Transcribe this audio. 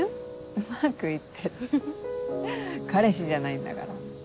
「うまく行ってる」彼氏じゃないんだから。